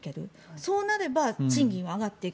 そうなれば賃金は上がっていく。